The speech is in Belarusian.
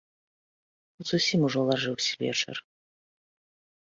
Зусім ужо лажыўся вечар.